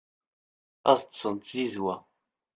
ad ṭṭsen d tzizwa